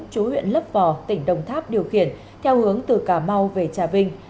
chú huyện lấp vò tỉnh đồng tháp điều khiển theo hướng từ cà mau về trà vinh